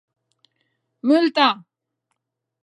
Multa!